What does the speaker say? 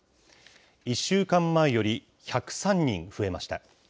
１週間前より１０３人増えました。